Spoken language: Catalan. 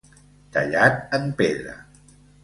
Tallat en pedra.